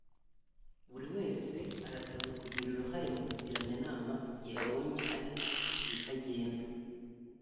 buri wese arasabwa kugira uruhare mu kugirana inama igihe babonye hari ibitagenda